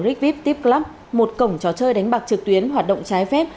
rigvip tipclub một cổng trò chơi đánh bạc trực tuyến hoạt động trái phép